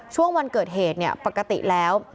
ช่วงวันเกิดเหตุปกติแล้ว